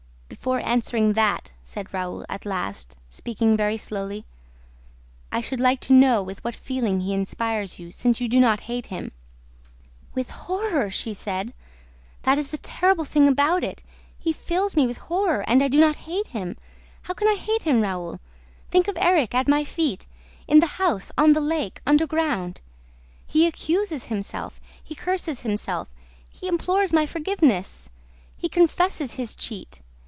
"Before answering that," said Raoul, at last, speaking very slowly, "I should like to know with what feeling he inspires you, since you do not hate him." "With horror!" she said. "That is the terrible thing about it. He fills me with horror and I do not hate him. How can I hate him, Raoul? Think of Erik at my feet, in the house on the lake, underground. He accuses himself, he curses himself, he implores my forgiveness! ... He confesses his cheat.